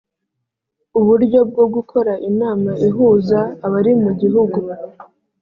uburyo bwo gukora inama ihuza abari mugihugu